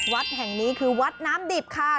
วัดแห่งนี้คือวัดน้ำดิบค่ะ